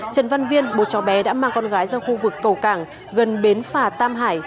trần văn viên bố cháu bé đã mang con gái ra khu vực cầu cảng gần bến phà tam hải